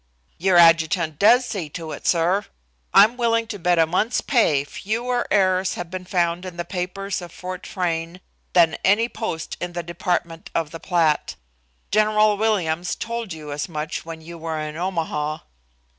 "Your adjutant does see to it, sir. I'm willing to bet a month's pay fewer errors have been found in the papers of Fort Frayne than any post in the Department of the Platte. General Williams told you as much when you were in Omaha."